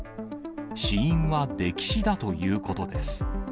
死因は溺死だということです。